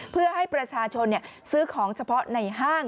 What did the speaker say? เพื่อให้ประชาชนซื้อของเฉพาะในห้าง